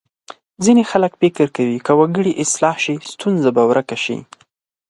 ځینې خلک فکر کوي که وګړي اصلاح شي ستونزه به ورکه شي.